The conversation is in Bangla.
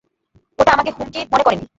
ওটা আমাকে হুমকি মনে করেনি।